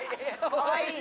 かわいい。